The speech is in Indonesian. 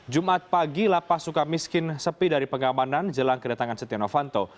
jumat pagi lapas suka miskin sepi dari pengamanan jelang kedatangan setia novanto